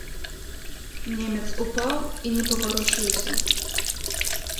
Немец упаў і не паварушыўся.